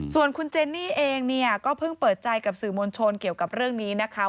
ส่วนคุณเจนนี่เองเนี่ยก็เพิ่งเปิดใจกับสื่อมวลชนเกี่ยวกับเรื่องนี้นะคะ